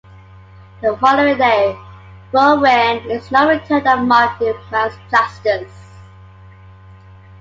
The following day, Bronwyn is not returned and Marc demands justice.